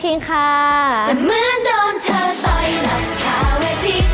เหมือนโดนเธอต่อยหลังคาเวที